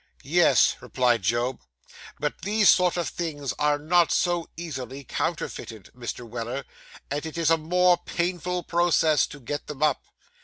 'Yes,' replied Job; 'but these sort of things are not so easily counterfeited, Mr. Weller, and it is a more painful process to get them up.